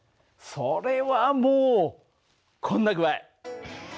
それはもうこんな具合！